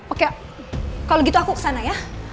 oke kalau gitu aku kesana ya